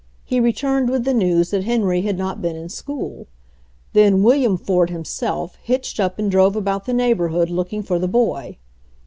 He returned with the news that Henry had not been in school. Then William Ford himself hitched up and drove about the neighborhood looking for the boy.